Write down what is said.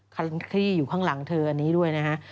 คันที่อยู่ข้างหลังเธออันนี้ด้วยนะฮะ